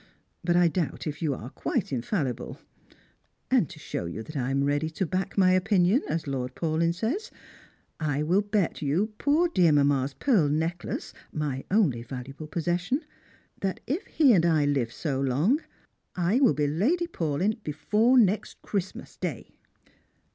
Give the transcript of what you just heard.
But I doubt if you are quite infallible; and to show you that I am ready to back my o])inion, as Lord Paulyn says, I will bet your poor dear mamma's pearl necklai;e, my only valuable possession, that if he and I Uve so long, I will be Lady Paulyn before next Christ mas day."